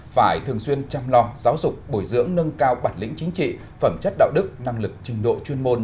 phải thường xuyên chăm lo giáo dục bồi dưỡng nâng cao bản lĩnh chính trị phẩm chất đạo đức năng lực trình độ chuyên môn